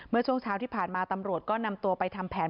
เมื่อช่วงเช้าที่ผ่านมาตำรวจก็นำตัวไปทำแผน